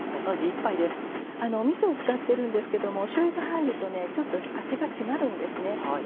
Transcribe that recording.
みそを使ってるんですけどもしょうゆが入るとちょっと味が締まるんですね。